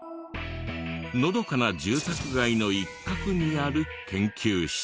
のどかな住宅街の一角にある研究施設。